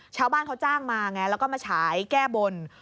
ชาวบ้านเขาจ้างมาไงแล้วก็มาฉายแก้บน